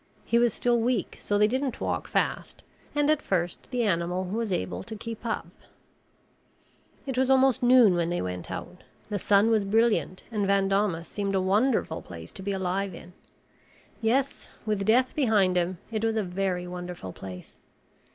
He was still weak so they didn't walk fast and, at first, the animal was able to keep up. It was almost noon when they went out. The sun was brilliant and Van Daamas seemed a wonderful place to be alive in. Yes, with death behind him, it was a very wonderful place.